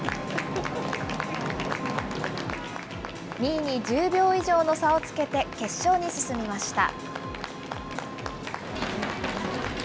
２位に１０秒以上の差をつけて決勝に進みました。